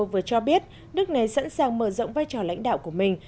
w vừa cho biết nước này sẵn sàng mở rộng vai trò lãnh đạo của mình